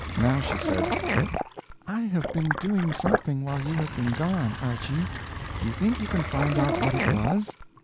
Now she said: "I have been doing something while you have been gone, Archy. Do you think you can find out what it was?"